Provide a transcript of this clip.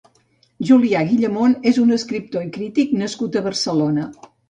Julià Guillamon és un escriptor i crític nascut a Barcelona.